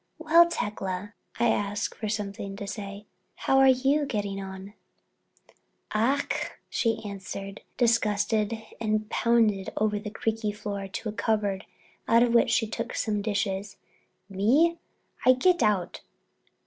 "Well, Tecla," I asked for something to say, "how are you getting on?" "Ach!" she answered disgusted, and pounded over the creaky floor to a cupboard out of which she took some dishes. "Me? I get out.